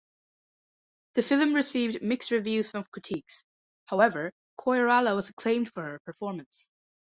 The film received mixed reviews from critics, however, Koirala was acclaimed for her performance.